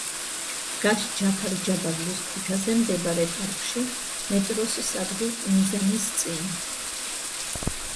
დგას ჯაფარ ჯაბარლის ქუჩაზე მდებარე პარკში, მეტროს სადგურ „ნიზამის“ წინ.